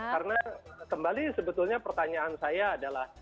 karena kembali sebetulnya pertanyaan saya adalah